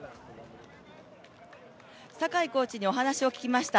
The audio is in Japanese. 酒井コーチにお話を伺いました。